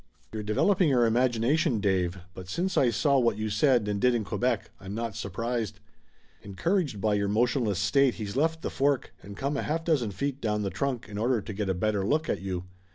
"You're developing your imagination, Dave, but since I saw what you said and did in Quebec I'm not surprised." "Encouraged by your motionless state he's left the fork, and come a half dozen feet down the trunk in order to get a better look at you.